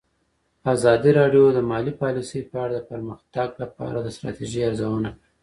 ازادي راډیو د مالي پالیسي په اړه د پرمختګ لپاره د ستراتیژۍ ارزونه کړې.